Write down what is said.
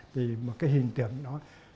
thì một cái hình tượng đó